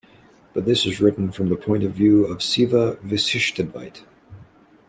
But this is written from the point of view of Siva-visishtadvait.